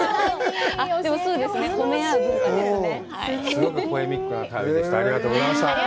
そうですね、褒め合う文化ですね。